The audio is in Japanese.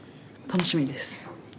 楽しみです。